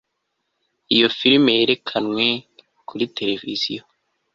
Iyo firime yerekanwe kuri tereviziyo